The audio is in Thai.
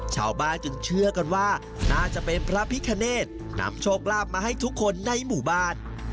ชาวบ้านจึงเชื่อกันว่าน่าจะเป็นพระพิคเนธนำโชคลาภมาให้ทุกคนในหมู่บ้าน